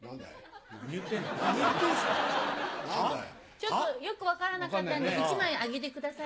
ちょっとよく分からなかったんで１枚あげてください。